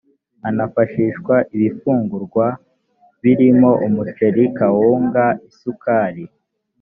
anafashishwa ibifungurwa birimo umuceri kawunga isukari